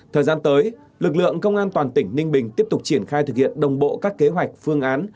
thời gian tới lực lượng công an toàn tỉnh ninh bình tiếp tục triển khai thực hiện đồng bộ các kế hoạch phương án